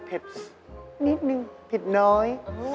เผ็ดนิดหนึ่งเผ็ดหน่อย